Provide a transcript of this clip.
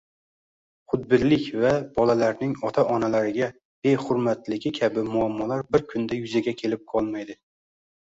xudbinlik va bolalarning ota-onalariga behurmatligi kabi muammolar bir kunda yuzaga kelib qolmaydi.